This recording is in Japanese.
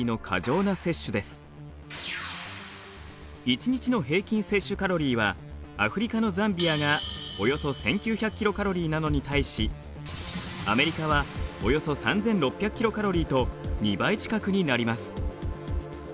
一日の平均摂取カロリーはアフリカのザンビアがおよそ１，９００ｋｃａｌになのに対しアメリカはおよそ３，６００ｋｃａｌと２倍近くになります。